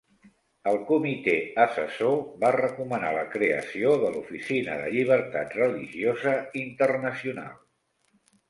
El comitè assessor va recomanar la creació de l'Oficina de Llibertat Religiosa Internacional.